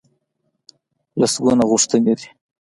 لسګونه غوښتنې دي.